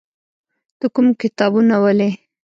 ته کوم کتابونه ولې؟